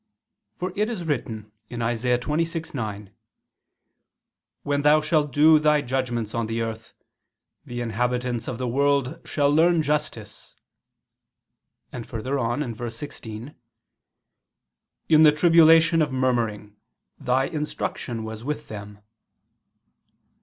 For it is written (Isa. 26:9): "When Thou shalt do Thy judgments on the earth, the inhabitants of the world shall learn justice": and further on (verse 16): "In the tribulation of murmuring Thy instruction was with them."